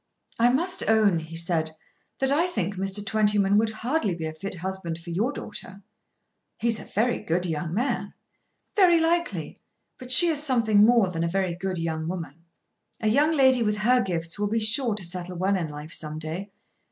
"I must own," he said, "that I think that Mr. Twentyman would hardly be a fit husband for your daughter." "He is a very good young man." "Very likely; but she is something more than a very good young woman. A young lady with her gifts will be sure to settle well in life some day."